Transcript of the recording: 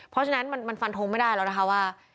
เพราะฉะนั้นมันฟันทงไม่ได้แล้วนะคะว่า